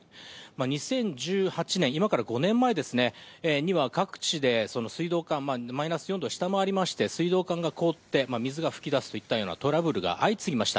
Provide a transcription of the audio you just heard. ２０１８年、今から５年前には、各地でマイナス４度を下回りまして、水道管が凍って水がふきだすといったようなトラブルが相次ぎました。